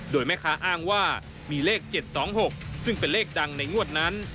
โดยแม่ค้าอ้างว่ามีเลข๗๒๖ซึ่งเป็นเลขดังในงวดนั้น